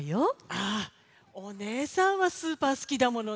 ああお姉さんはスーパーすきだものね。